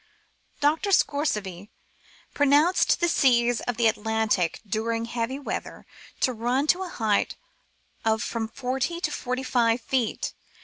Dr. Scoresby pronounced the seas of the Atlantic during heavy weather to run to a height of from forty to forty five feet.